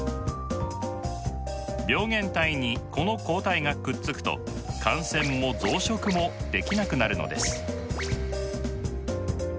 病原体にこの抗体がくっつくと感染も増殖もできなくなるのです。